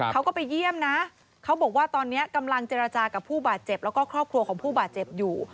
เขาก็ไปเยี่ยมนะเขาบอกว่าตอนนี้กำลังเจรจากับผู้บาดเจ็บแล้วก็ครอบครัวของผู้บาดเจ็บอยู่